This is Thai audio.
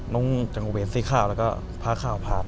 น้องจังหวีนซีข้าวแล้วก็พระข้าวพาท